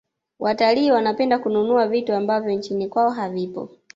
watalii wanapenda kununua vitu ambavyo nchini kwao havipo